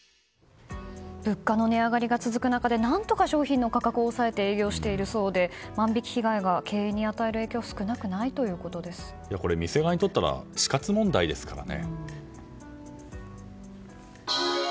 物価の値上がりが続く中で何とか商品の価格を抑えて営業しているそうで万引き被害が経営に与える影響は店側にとっては死活問題ですからね。